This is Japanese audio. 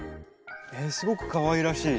すごくかわいらしい。